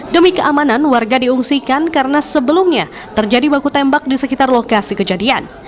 demi keamanan warga diungsikan karena sebelumnya terjadi baku tembak di sekitar lokasi kejadian